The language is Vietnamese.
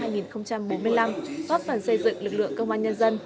góp phần xây dựng lực lượng công an nhân dân